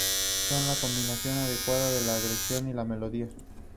Son la combinación adecuada de la agresión y la melodía".